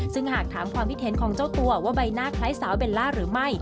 ซึ่งหากถามความคิดเห็นของเจ้าตัวว่าใบหน้าคล้ายสาวเบลล่าหรือไม่